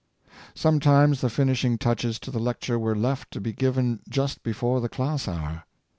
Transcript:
Sometimes the finishing touches to the lecture were left to be given just before the class hour.